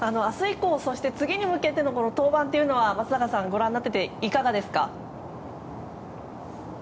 明日以降そして次に向けての登板は松坂さんはご覧になっていていかがですか？